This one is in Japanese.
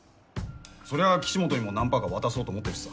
そりゃ岸本にも何％か渡そうと思ってるしさ。